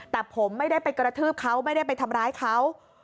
แต่ผมไม่ได้ไปกระทืบเขาไม่ได้ไปทำร้ายเขา